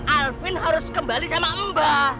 alvin harus kembali sama mbak